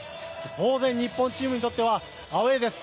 当然、日本チームにとってはアウェーです。